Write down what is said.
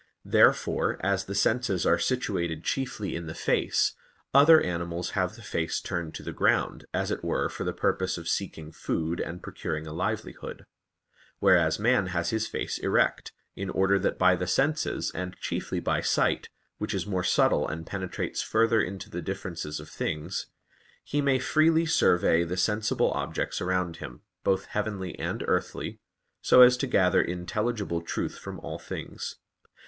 Therefore, as the senses are situated chiefly in the face, other animals have the face turned to the ground, as it were for the purpose of seeking food and procuring a livelihood; whereas man has his face erect, in order that by the senses, and chiefly by sight, which is more subtle and penetrates further into the differences of things, he may freely survey the sensible objects around him, both heavenly and earthly, so as to gather intelligible truth from all things.